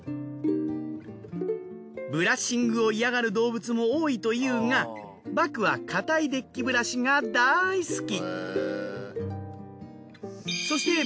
ブラッシングを嫌がる動物も多いというがバクは硬いデッキブラシが大好き。